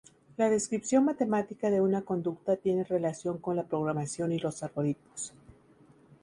La descripción matemática de una conducta tiene relación con la programación y los algoritmos.